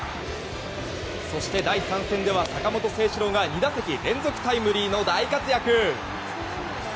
そして第３戦では坂本誠志郎が２打席連続タイムリーの大活躍。